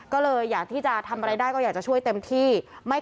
ก็เลยก็อยากจะช่วยเต็มที่